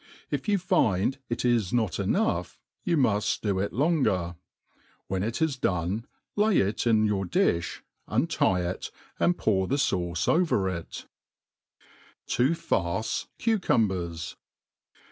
If you find it is not enough^ you muft d6 it longer. When it is done, lay it ia your dtib, untie it, and pour the fauce ovei it* ..'^.'.. To farce Cucumbers.